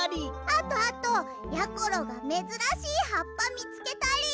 あとあとやころがめずらしいはっぱみつけたり！